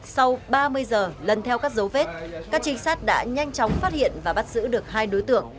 sau ba mươi giờ lần theo các dấu vết các trinh sát đã nhanh chóng phát hiện và bắt giữ được hai đối tượng